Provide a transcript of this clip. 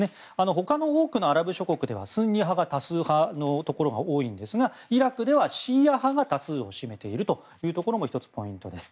他の多くのアラブ諸国ではアラブ人でスンニ派が多数派のところが多いんですがイラクでは、シーア派が多数を占めているというところも１つ、ポイントです。